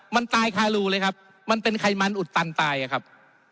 มันตายคารูเลยครับมันเป็นไขมันอุดตันตายอะครับ